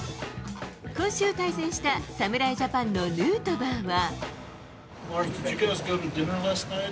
今週対戦した侍ジャパンのヌートバーは。